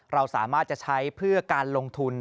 เราสามารถจะใช้เพื่อการลงทุน